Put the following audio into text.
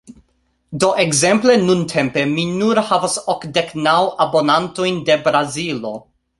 Do ekzemple nuntempe mi nur havas okdek naŭ abonantoj de Brazilo.